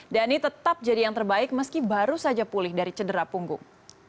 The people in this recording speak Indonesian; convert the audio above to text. dhani tetap jadi yang terbaik meski baru saja pulih dari cedera punggung